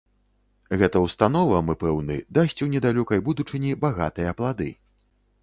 Гэта ўстанова, мы пэўны, дасць у недалёкай будучыні багатыя плады.